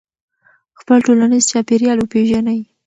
خپل ټولنیز چاپېریال وپېژنئ.